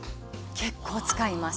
結構使います。